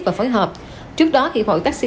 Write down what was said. và phối hợp trước đó hiệp hội taxi